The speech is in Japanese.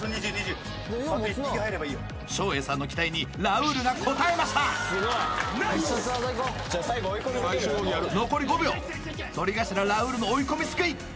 照英さんの期待にラウールが応えました残り５秒とり頭ラウールの追い込みすくい